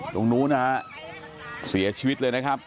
ตรงนู้นนะฮะเสียชีวิตเลยนะครับ